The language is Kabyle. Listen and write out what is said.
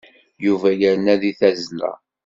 Yuba yerna deg tazzla.